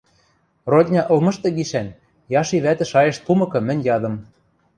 Родня ылмышты гишӓн Яши вӓтӹ шайышт пумыкы, мӹнь ядым: